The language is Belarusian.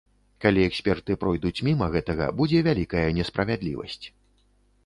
Калі эксперты пройдуць міма гэтага, будзе вялікая несправядлівасць.